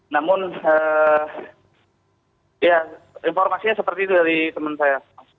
namun informasinya seperti itu dari teman saya